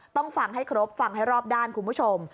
ต้องฟังให้ครบฟังให้รอบด้านคุณผู้ชม